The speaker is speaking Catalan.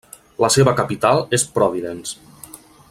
La seva capital és Providence.